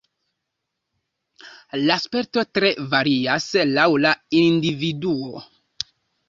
La sperto tre varias laŭ la individuo.